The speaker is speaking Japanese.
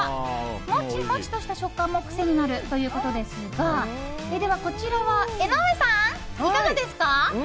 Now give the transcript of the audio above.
モチモチとした食感も癖になるということですがこちらは江上さんいかがですか？